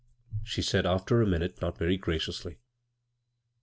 she said after a minute, not very gradously.